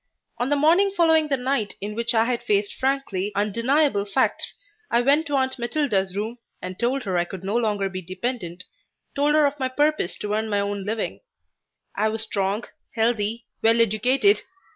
On the morning following the night in which I had faced frankly undeniable facts I went to Aunt Matilda's room and told her I could no longer be dependent, told her of my purpose to earn my own living. I was strong, healthy, well educated.